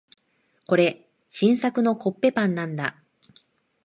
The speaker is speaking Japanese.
これ、新作のコッペパンなんだ。